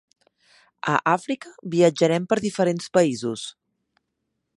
A Àfrica, viatjarem per diferents països.